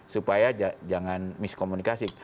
supaya jangan miskomunikasi